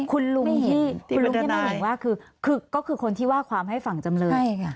คุณลุงที่ไม่เห็นว่าก็คือคนที่ว่าความให้ฝั่งจำเลย